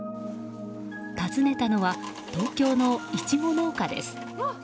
訪ねたのは東京のイチゴ農家です。